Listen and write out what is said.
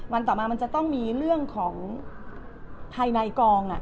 ต่อมามันจะต้องมีเรื่องของภายในกอง